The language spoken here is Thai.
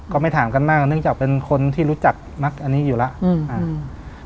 ก็ไม่ถามกันมากเนื่องจากเป็นคนที่รู้จักมักอันนี้อยู่แล้วอืมอ่า